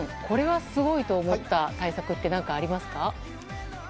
これはすごいと思った対策って何かありますか？